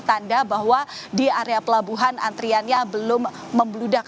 tanda bahwa di area pelabuhan antriannya belum membludak